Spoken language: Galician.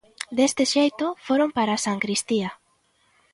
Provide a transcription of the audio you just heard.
Deste xeito foron para a sancristía.